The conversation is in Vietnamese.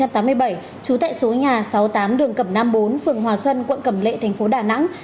trú tại số nhà sáu mươi tám đường cẩm nam bốn phường hòa xuân quận cẩm lệ thành phố đà nẵng